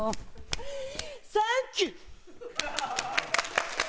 サンキュ！